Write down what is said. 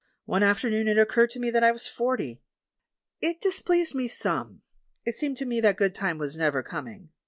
One afternoon it occurred to me that I was forty. It displeased me some; seemed to me that good time was never coming.